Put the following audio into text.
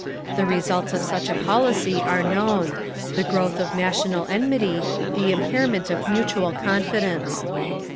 The results of such a policy are known: the growth of national enmity, the impairment of mutual confidence.